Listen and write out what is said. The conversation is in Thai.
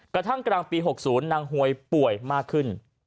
กระทั่งกลางปี๖๐นางหวยป่วยมากขึ้น